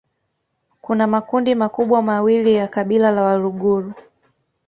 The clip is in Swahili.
Kuna makundi makubwa mawili ya kabila la Waluguru